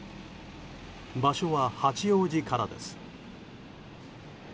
場所は八王子からです。